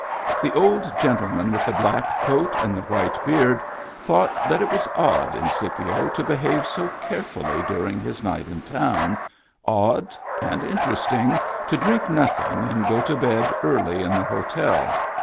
The old gentleman with the black coat and the white beard thought that it was odd in Scipio to behave so carefully during his night in town, odd and interesting to drink nothing and go to bed early in the hotel.